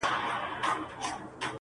چي پکښي و لټوو لار د سپین سبا په لوري,